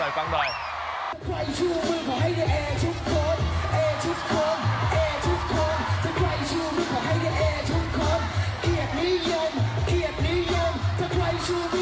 เอ้าฟังหน่อยฟังหน่อย